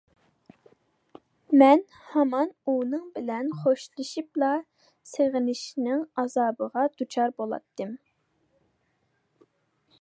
مەن ھامان ئۇنىڭ بىلەن خوشلىشىپلا، سېغىنىشنىڭ ئازابىغا دۇچار بولاتتىم.